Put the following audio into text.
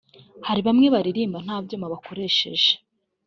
Hari bamwe baririmba nta byuma bakoresheje